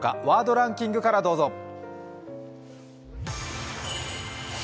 「ワードランキング」からどうぞ。